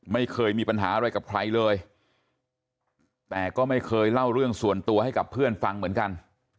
ไม่เคยมีปัญหาอะไรกับใครเลยแต่ก็ไม่เคยเล่าเรื่องส่วนตัวให้กับเพื่อนฟังเหมือนกัน